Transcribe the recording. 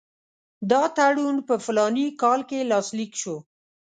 دا تړون په فلاني کال کې لاسلیک شو.